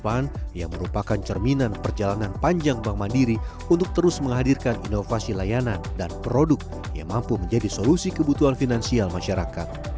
bank yang merupakan cerminan perjalanan panjang bank mandiri untuk terus menghadirkan inovasi layanan dan produk yang mampu menjadi solusi kebutuhan finansial masyarakat